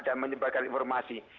dan menyebarkan informasi